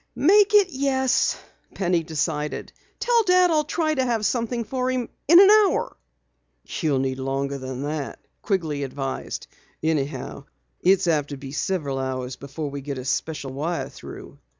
"Make it 'yes,'" Penny decided. "Tell Dad I'll try to have something for him in an hour." "You'll need longer than that," Quigley advised. "Anyhow, it's apt to be several hours before we get a special wire through."